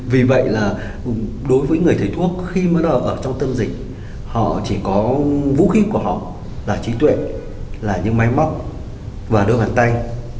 vì vậy là đối với người thầy thuốc khi mới ở trong tâm dịch họ chỉ có vũ khí của họ là trí tuệ là những máy móc và đôi bàn tay